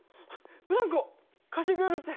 ブランコ貸してくれるって！